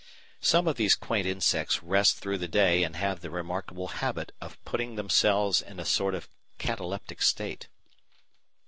Some of these quaint insects rest through the day and have the remarkable habit of putting themselves into a sort of kataleptic state.